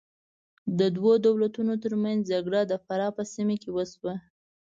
د دوو دولتونو تر منځ جګړه د فراه په سیمه کې وشوه.